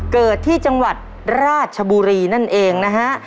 เกิดที่จังหวัดราชบุรีนั่นเองนะฮะ